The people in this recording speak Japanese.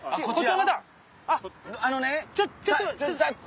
あのね。